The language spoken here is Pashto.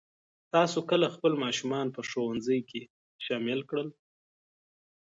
تاسو کله خپل ماشومان په ښوونځي کې شامل کړل؟